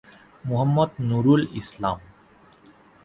Muhammad Nurul Islam.